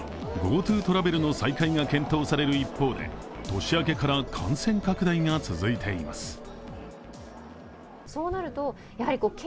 ＧｏＴｏトラベルの再開が検討される一方で年明けから感染拡大が続いています。